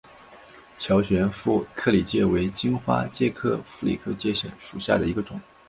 乔玄副克里介为荆花介科副克里介属下的一个种。